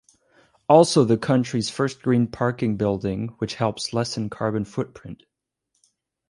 Also the Country's First Green parking Building which helps lessen carbon footprint.